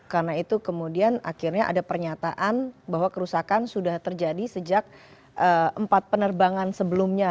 karena itu kemudian akhirnya ada pernyataan bahwa kerusakan sudah terjadi sejak empat penerbangan sebelumnya